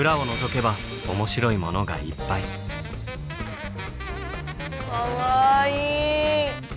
かわいい。